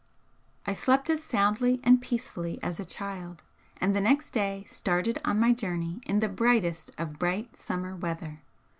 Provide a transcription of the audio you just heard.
I slept as soundly and peacefully as a child, and the next day started on my journey in the brightest of bright summer weather.